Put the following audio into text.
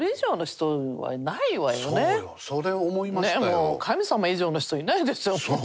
もう神様以上の人いないでしょう。